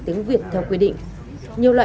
tiếng việt theo quy định nhiều loại